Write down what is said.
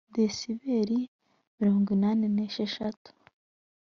desiberi mirongo inani n eshanu